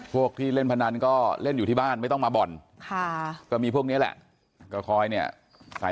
พวกที่เล่นพนันก็เล่นอยู่ที่บ้านไม่ต้องมาบ่อนก็มีพวกนี้แหละ